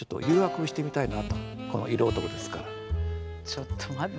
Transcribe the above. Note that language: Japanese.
ちょっと待って。